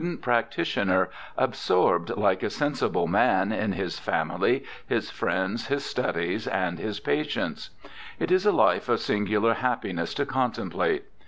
Aimi/uA' SIR THOMAS BROWNE 253 practitioner, absorbed, like a sensible man, in his family, his friends, his studies, and his patients. It is a hfe of singular happiness to contemplate.